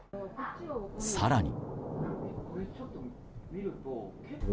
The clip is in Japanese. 更に。